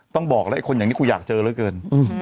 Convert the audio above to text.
ต้องบอกแล้วไอ้คนอย่างนี้คุณอยากเจอแล้วเกิน